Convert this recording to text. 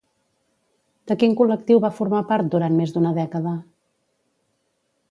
De quin col·lectiu va formar part durant més d'una dècada?